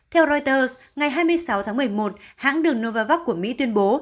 theo reuters ngày hai mươi sáu tháng một mươi một hãng đường novavax của mỹ tuyên bố